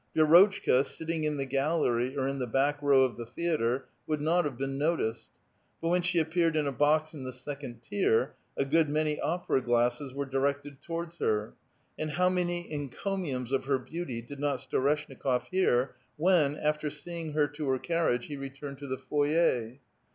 Vi6rotchka, sitting in the gallery or in the back row of the theatre, would not have been noticed ; but when she appeared in a box in the second tier, a good many opera glasses were directed towards her ; and how many enco miums of her beauty did not Storeshnikof hear, when, after seeing her to her carriage, he returned to the foyer.